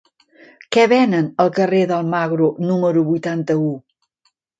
Què venen al carrer d'Almagro número vuitanta-u?